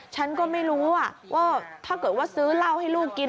ฉันก็ไม่รู้ว่าถ้าเกิดว่าซื้อเหล้าให้ลูกกิน